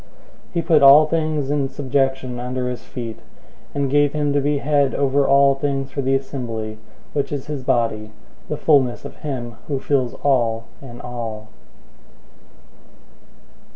001:022 He put all things in subjection under his feet, and gave him to be head over all things for the assembly, 001:023 which is his body, the fullness of him who fills all in all.